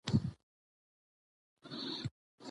موږ باید د کورنۍ ټول غړي په ګډو پریکړو شامل کړو